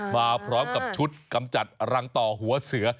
มาพร้อมกับชุดกำจัดรังต่อหัวเสือ